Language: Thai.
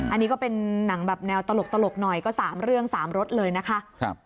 อันนี้ก็เป็นหนังแบบแนวตลกหน่อยก็๓เรื่อง๓รถเลยนะคะ